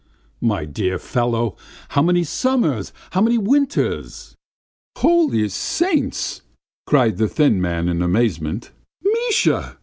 My dear fellow! How many summers, how many winters!" "Holy saints!" cried the thin man in amazement. "Misha!